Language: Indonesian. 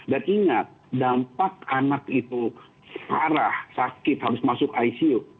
dan ingat dampak anak itu parah sakit harus masuk icu